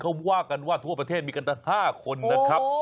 เขาว่ากันว่าทั่วประเทศมีกัน๕คนนะครับ